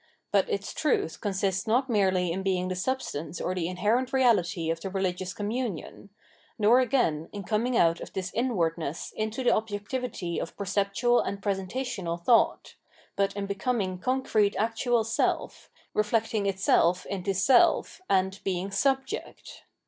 But its truth consists not merely in beiug the substance or the inherent reahty of the rehgious communion ; nor again in coming out of this inwardness into the objectivity of per ceptual and presentational thought; but in becoming concrete actual self, reflecting itself into self, and being Subject.